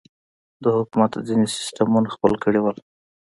د حکومت ځينې سسټمونه خپل کړي وو.